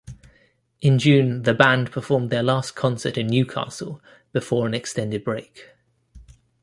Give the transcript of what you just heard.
In June the band performed their last concert in Newcastle before an extended break.